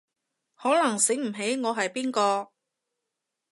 可能醒唔起我係邊個